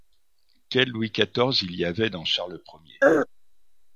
Quel Louis quatorze il y avait dans Charles Ier !